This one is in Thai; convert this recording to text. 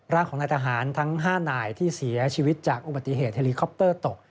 ร่างของนายทหารทั้ง๕นายที่เสียชีวิตจากอุบัติเหตุเฮลิคอปเตอร์ตก